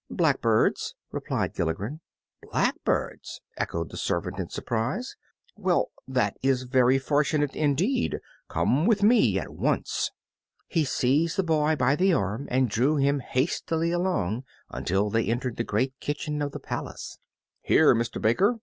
"Blackbirds," replied Gilligren. "Blackbirds!" echoed the servant, in surprise, "well, that is very fortunate indeed. Come with me at once!" He seized the boy by the arm and drew him hastily along until they entered the great kitchen of the palace. "Here, Mister Baker!"